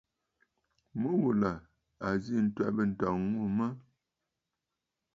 Mû ghù là à zî ǹtwɛ̀bə̂ ǹtɔ̀ŋ ŋù mə̀.